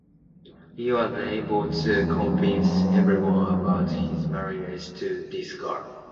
He was able to convince everyone about his marriage to this girl.